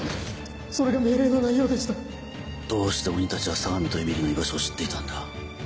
それが命令の内容でしたどうして鬼たちは相模とえみりの居場所を知っていたんだ？